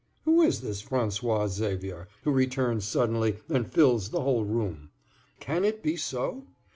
Who is this François Xavier, who returns suddenly and fills the whole room? Can it be so?